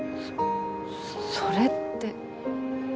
そそれって。